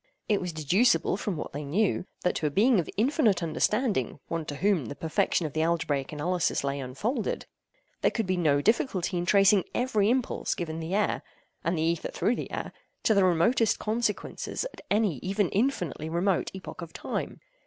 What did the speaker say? It was deducible from what they knew, that to a being of infinite understanding—one to whom the perfection of the algebraic analysis lay unfolded—there could be no difficulty in tracing every impulse given the air—and the ether through the air—to the remotest consequences at any even infinitely remote epoch of time.